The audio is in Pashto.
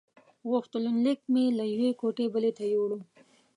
غوښتنلیک مې له یوې کوټې بلې ته یووړ.